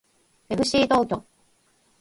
えふしー東京